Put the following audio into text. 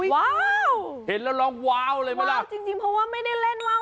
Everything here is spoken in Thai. ว้าวเห็นแล้วร้องว้าวเลยไหมล่ะเอาจริงจริงเพราะว่าไม่ได้เล่นวาว